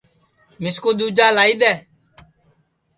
مِسکُو دؔوجا لائی دؔے